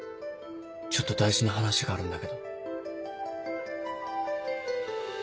ちょっと大事な話があるんだけど。